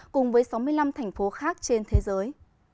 cùng với sáu mươi năm thành phố khác trên thế giới